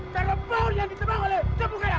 karena bau yang ditebang oleh cabu karang